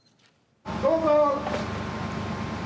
どうぞ。